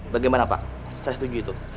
bagaimana pak saya setuju itu